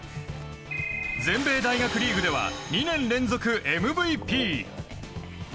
全米大学リーグでは２年連続ＭＶＰ。